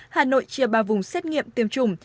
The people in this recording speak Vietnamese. hà nội chia ba vùng xét nghiệm tiêm chủng